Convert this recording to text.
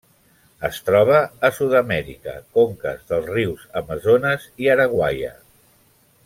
Es troba a Sud-amèrica: conques dels rius Amazones i Araguaia.